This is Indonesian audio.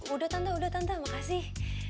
udah tante makasih